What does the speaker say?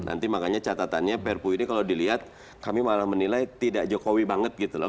nanti makanya catatannya perpu ini kalau dilihat kami malah menilai tidak jokowi banget gitu loh